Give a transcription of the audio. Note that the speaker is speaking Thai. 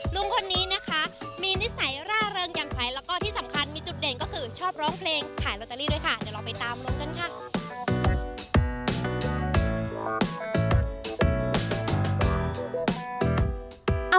ลุงคนนี้นะคะมีนิสัยร่าเริงอย่างใสแล้วก็ที่สำคัญมีจุดเด่นก็คือชอบร้องเพลงขายลอตเตอรี่ด้วยค่ะเดี๋ยวเราไปตามลุงกันค่ะ